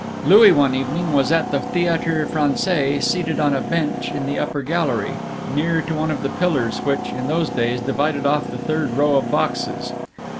Louis one evening was at the Theatre Francais, seated on a bench in the upper gallery, near to one of the pillars which, in those days, divided off the third row of boxes.